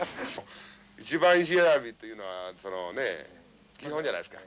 一番石選びというのは基本じゃないですか。